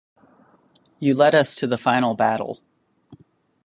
You led us to the final battle.